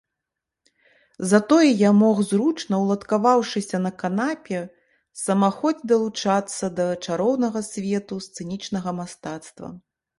Затое я мог, зручна ўладкаваўшыся на канапе, самахоць далучацца да чароўнага свету сцэнічнага мастацтва.